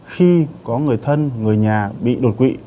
khi có người thân người nhà bị đột quỵ